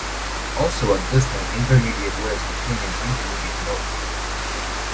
Also at that time, Intermediate West was renamed Intermediate North.